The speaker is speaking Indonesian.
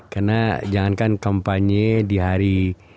karena jangankan kampanye di hari